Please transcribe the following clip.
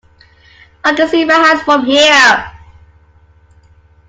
I can see my house from here!